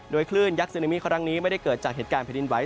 โดยคลื่นยักษ์ซึนามีครั้งนี้ไม่ได้เกิดจากเหตุการณ์แผ่นดินไหว